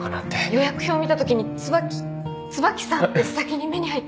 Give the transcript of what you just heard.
予約表見たときに椿椿さんって先に目に入って。